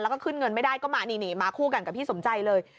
แล้วก็ขึ้นเงินไม่ได้ก็มานี่มาคู่กันกับพี่สมใจเลย